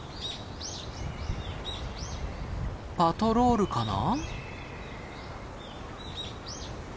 パトロールかな？